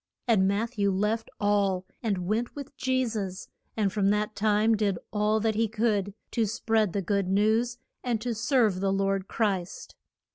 And Matth ew left all, and went with Je sus, and from that time did all that he could to spread the good news, and to serve the Lord Christ.